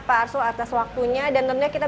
pak arsul atas waktunya dan tentunya kita